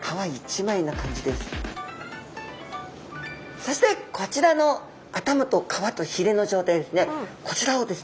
そしてこちらの頭と皮とひれの状態ですね。